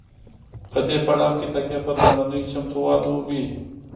په دې پړاو کې تکیه پر لومړنیو چمتووالو وي.